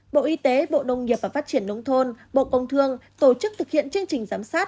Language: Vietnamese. bộ y tế bộ nông nghiệp và phát triển nông thôn bộ công thương tổ chức thực hiện chương trình giám sát